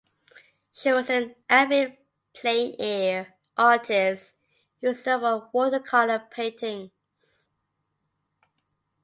She was an avid "plein air" artist who is known for her watercolour paintings.